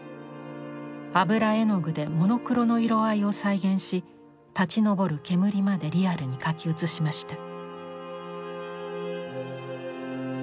油絵の具でモノクロの色合いを再現し立ちのぼる煙までリアルに描き写しました。